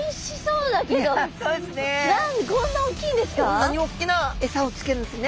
こんなにおっきなエサをつけるんですね。